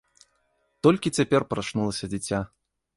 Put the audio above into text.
Толькі цяпер прачнулася дзіця.